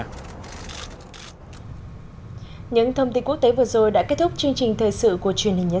những thông tin quốc tế vừa rồi đã kết thúc chương trình thời sự của truyền hình nhé